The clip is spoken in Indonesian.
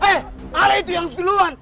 eh kalau itu yang duluan